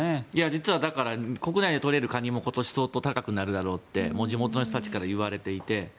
実は国内で取れるカニも今年は相当高くなるだろうと地元の人たちから言われていて。